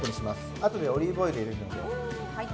あとでオリーブオイルを入れるので。